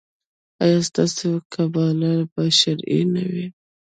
ایا ستاسو قباله به شرعي نه وي؟